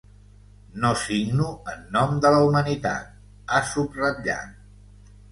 No signo en nom de la humanitat, ha subratllat.